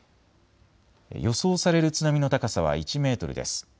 予想される津波の高さは１メートルです。